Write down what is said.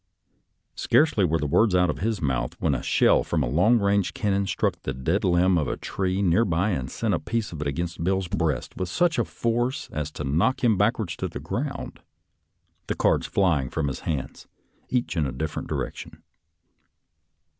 Scarcely were the words out of his mouth, when a shell from a long range cannon struck the dead limb of a tree near by and sent a piece of it against Bill's breast with such force as to knock him backwards to the ground, the cards flying from his hands, each in a different direction.